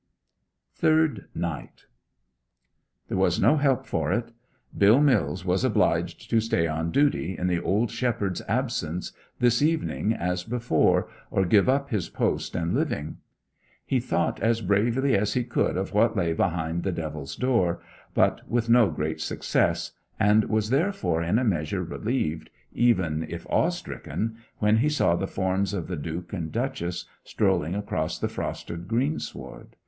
THIRD NIGHT There was no help for it. Bill Mills was obliged to stay on duty, in the old shepherd's absence, this evening as before, or give up his post and living. He thought as bravely as he could of what lay behind the Devil's Door, but with no great success, and was therefore in a measure relieved, even if awe stricken, when he saw the forms of the Duke and Duchess strolling across the frosted greensward.